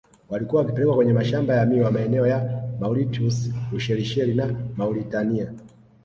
Walikuwa wakipelekwa kwenye mashamba ya miwa maeneo ya Mauritius Ushelisheli na Mauritania